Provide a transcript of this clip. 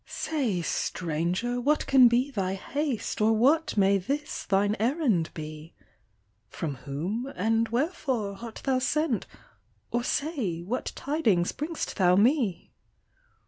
OF DEATH. 113 " Say, stranger, what can be thy haste, Or what may this thine errand be ? From whom and wherefore art thou sent ; Or say what tidings bring'st thou me